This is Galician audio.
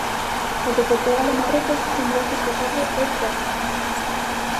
Os de Portugal e Marrocos son viaxes que fago eu coa cámara.